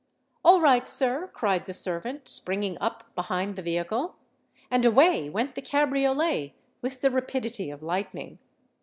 "All right, sir!" cried the servant, springing up behind the vehicle. And away went the cabriolet with the rapidity of lightning.